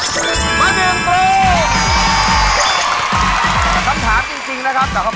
คำถามจริงนะครับ